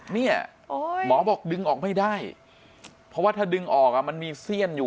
เนี่ยหมอบอกดึงออกไม่ได้เพราะว่าถ้าดึงออกมันมีเสี้ยนอยู่